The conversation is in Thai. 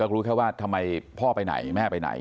ก็ไม่รู้ว่าเด็กก็รู้แค่ว่าทำไมมีแม่ไปไหน